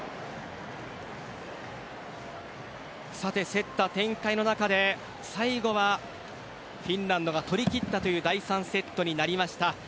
競った展開の中で最後はフィンランドが取り切ったという第３セットになりました。